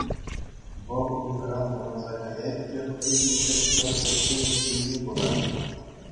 Вӑл ыйхӑран вӑранса каять те хӑй килте тӑр пӗччен иккенне курать.